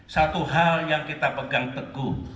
satu hal yang kita pegang teguh